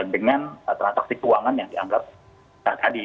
dengan transaksi keuangan yang dianggap tadi